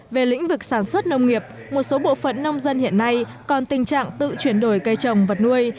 về lĩnh vực sản xuất nông nghiệp một số bộ phận nông dân hiện nay còn tình trạng tự chuyển đổi cây trồng vật nuôi